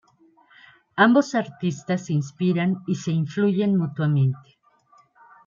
Ambos artistas se inspiran y se influyen mutuamente.